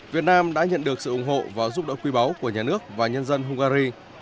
việt nam đã nhận được sự ủng hộ và giúp đỡ quý báu của nhà nước và nhân dân hungary